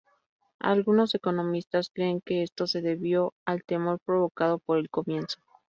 Algunos economistas creen que esto se debió al temor provocado por el comienzo.